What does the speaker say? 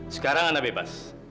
sekarang anda bebas